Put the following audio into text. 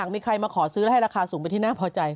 มาขอซื้อและให้ราคาสูงไปที่น่าพอใจ